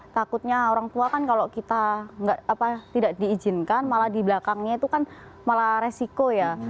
takutnya orang tua kan kalau kita tidak diizinkan malah di belakangnya itu kan malah resiko ya